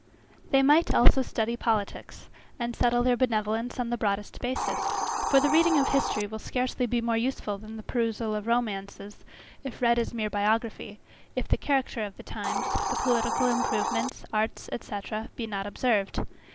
They might, also study politics, and settle their benevolence on the broadest basis; for the reading of history will scarcely be more useful than the perusal of romances, if read as mere biography; if the character of the times, the political improvements, arts, etc. be not observed.